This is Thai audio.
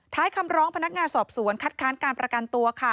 ท้ายคำร้องพนักงานสอบสวนคัดค้านการประกันตัวค่ะ